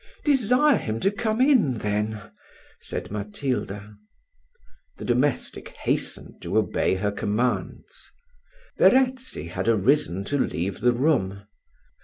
"Desire him to come in, then," said Matilda. The domestic hastened to obey her commands. Verezzi had arisen to leave the room.